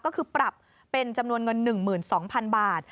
ก็คือปรับเป็นจำนวนเงิน๑๒๐๐๐บาท